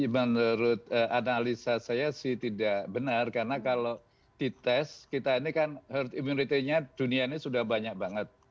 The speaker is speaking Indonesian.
menurut analisa saya sih tidak benar karena kalau dites kita ini kan herd immunity nya dunia ini sudah banyak banget